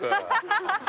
ハハハハ！